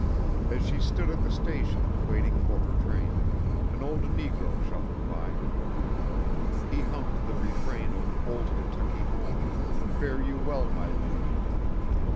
As she stood at the station, waiting for her train, an old negro shuffled by. He hummed the refrain of "Old Kentucky Home," "Fare you well, my lady!"